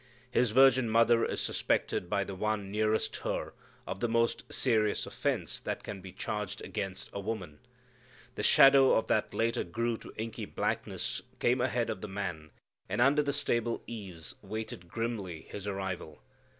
His virgin mother is suspected by the one nearest her of the most serious offense that can be charged against a woman. The shadow that later grew to inky blackness came ahead of the man, and, under the stable eaves, waited grimly His arrival.